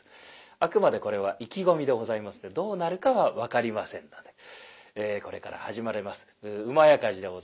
あくまでこれは意気込みでございますんでどうなるかは分かりませんのでこれから始まります「火事」でございます。